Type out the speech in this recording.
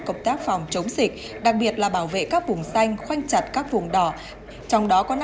công tác phòng chống dịch đặc biệt là bảo vệ các vùng xanh khoanh chặt các vùng đỏ trong đó có năm